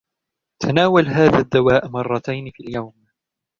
تناول هذا الدواء مرّتين في اليوم.